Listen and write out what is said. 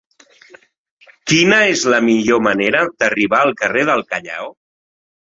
Quina és la millor manera d'arribar al carrer del Callao?